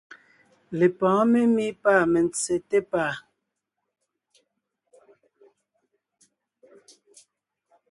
Lepɔ̌ɔn memí pâ mentse té pàa.